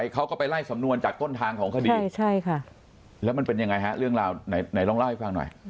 เขาก็ไปไล่สำนวนจากต้นทางของคดีแล้วมันเป็นยังไงฮะเรื่องราวไหนลองเล่าให้ฟังหน่อย